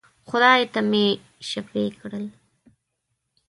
خدای ته مي شفېع کړل.